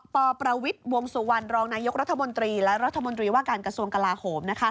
ประวิทย์วงสุวรรณรองนายกรัฐมนตรีและรัฐมนตรีว่าการกระทรวงกลาโหม